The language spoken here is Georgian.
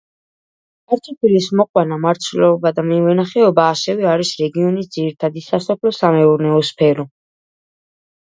კარტოფილის მოყვანა, მარცვლეულობა და მევენახეობა, ასევე არის რეგიონის ძირითადი სასოფლო-სამეურნეო სფერო.